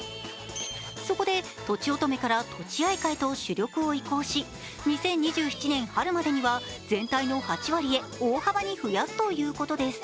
そこで、とちおとめからとちあいかへと主力を移行し２０２７年春までには全体の８割へ大幅に増やすということです。